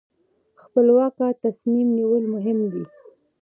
خپلواک تصمیم نیول مهم دي.